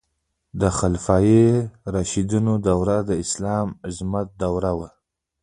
د خلفای راشدینو دوره د اسلام د عظمت دوره وه.